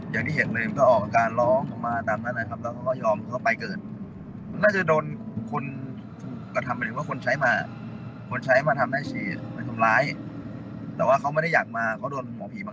อย่างที่เห็นเมื่อก็ออกอาการร้องมาตามนั้นนะครับแล้วก็ยอมเข้าไปกัน